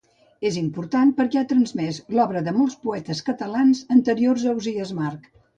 És important perquè ha transmès l'obra de molts poetes catalans anteriors a Ausiàs March.